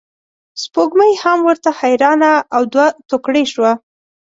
سپوږمۍ هم ورته حیرانه او دوه توکړې شوه.